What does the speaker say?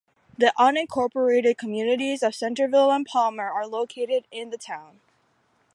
The unincorporated communities of Centerville and Palmer are located in the town.